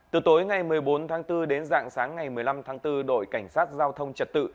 từ tối ngày một mươi bốn tháng bốn đến dạng sáng ngày một mươi năm tháng bốn đội cảnh sát giao thông trật tự